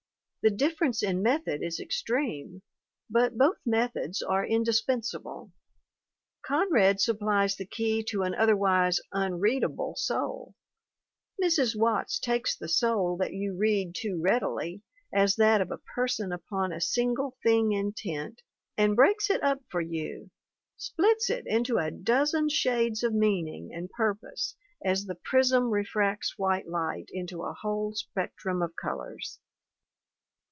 The difference in method is extreme, but both methods are indispensable. Con rad supplies the key to an otherwise unreadable soul; Mrs. Watts takes the soul that you read too readily MARY S. WATTS 189 as that of a person upon a single thing intent and breaks it up for you, splits it into a dozen shades of meaning and purpose as the prism refracts white light into a whole spectrum of colors.